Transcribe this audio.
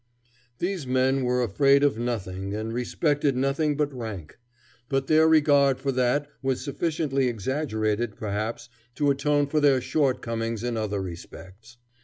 These men were afraid of nothing and respected nothing but rank; but their regard for that was sufficiently exaggerated perhaps to atone for their short comings in other respects.